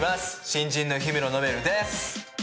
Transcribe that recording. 新人の火室ノベルです！